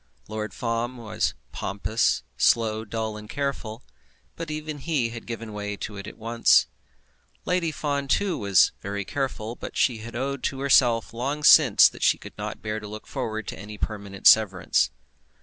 Lord Fawn was pompous, slow, dull, and careful; but even he had given way to it at once. Lady Fawn, too, was very careful, but she had owned to herself long since that she could not bear to look forward to any permanent severance.